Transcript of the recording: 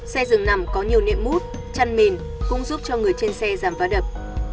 xe rừng nằm có nhiều nệm mút chăn mền cũng giúp cho người trên xe giảm vá đập